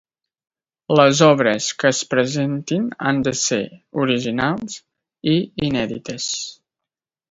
Les obres que es presentin han de ser originals i inèdites.